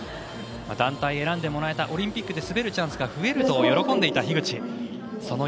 団体に選んでもらえたオリンピックで滑るチャンスが増えると喜んでいた樋口です。